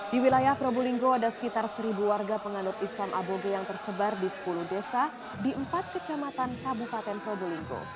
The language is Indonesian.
di wilayah probolinggo ada sekitar seribu warga penganut islam aboge yang tersebar di sepuluh desa di empat kecamatan kabupaten probolinggo